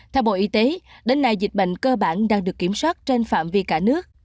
theo bộ y tế đến nay dịch bệnh cơ bản đang được kiểm soát trên phạm vi cả nước